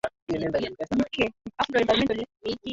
huku ajenda kuu ikiwa ni kuangalia mustakabali wa siasa